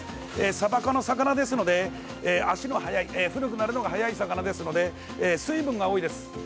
サバ科の魚ですので、足のはやい古くなるのがはやい魚ですので水分が多いです。